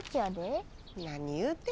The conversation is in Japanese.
何言うてんの。